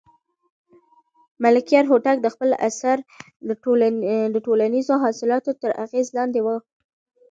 ملکیار هوتک د خپل عصر د ټولنیزو حالاتو تر اغېز لاندې و.